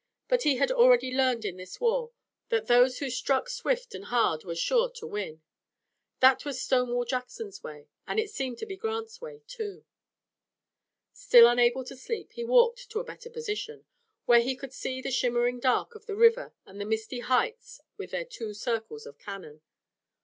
But he had already learned in this war that those who struck swift and hard were sure to win. That was Stonewall Jackson's way, and it seemed to be Grant's way, too. Still unable to sleep, he walked to a better position, where he could see the shimmering dark of the river and the misty heights with their two circles of cannon.